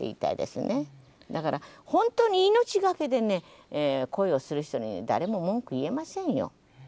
だから本当に命懸けでね恋をする人に誰も文句言えませんよ。